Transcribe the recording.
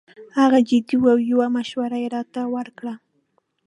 هغه جدي وو او یو مشوره یې راته ورکړه.